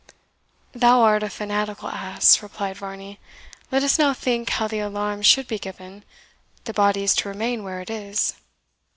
"Thou art a fanatical ass," replied Varney; "let us now think how the alarm should be given the body is to remain where it is."